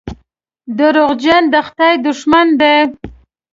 دروغجن د خدای دښمن دی.